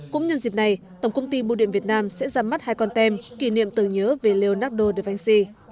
cũng nhân dịp này tổng công ty bưu điện việt nam sẽ ra mắt hai con tem kỷ niệm tử nhớ về leonardo da vinci